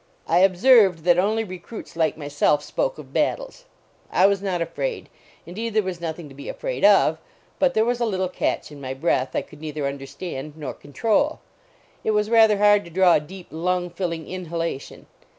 I observed that only recruits like myself spoke of battles ." I was not afraid , indeed there was nothing to be afraid of, but there was a little catch in my breath I could neither understand nor control. It was rather hard to draw a deep, lung filling inhalation.